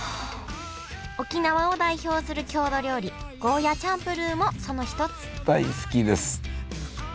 沖縄を代表する郷土料理ゴーヤーチャンプルーもその一つ大好きです。